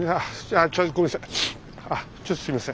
あちょっとすいません。